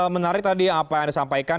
menarik tadi apa yang anda sampaikan